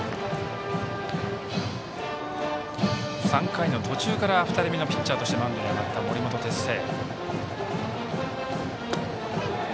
３回の途中から２人目のピッチャーとしてマウンドに上がった森本哲星。